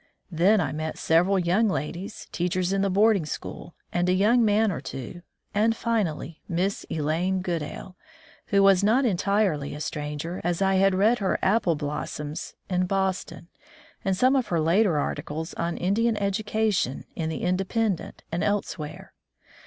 Then I met several young ladies, teachers in the boarding school, and a young man or two, and finally Miss Elaine Goodale, who was not entirely a stranger, as I had read her '"Apple Blossoms" in Boston, and some of her later articles on Indian education in the Independent and elsewhere.